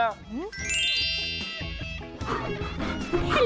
ฮัลโหล